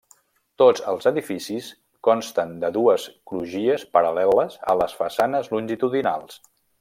Tots els edificis consten de dues crugies paral·leles a les façanes longitudinals.